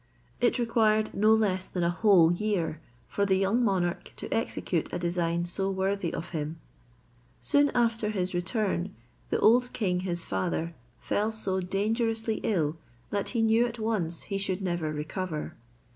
It required no less than a whole year for the young monarch to execute a design so worthy of him. Soon after his return, the old king his father fell so dangerously ill, that he knew at once he should never recover.